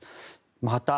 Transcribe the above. また、